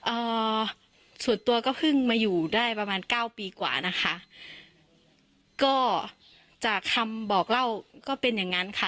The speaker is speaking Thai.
อ่าส่วนตัวก็เพิ่งมาอยู่ได้ประมาณเก้าปีกว่านะคะก็จากคำบอกเล่าก็เป็นอย่างงั้นค่ะ